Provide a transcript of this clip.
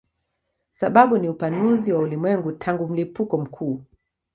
Sababu ni upanuzi wa ulimwengu tangu mlipuko mkuu.